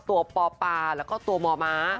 ตัวปปแล้วก็ตัวมม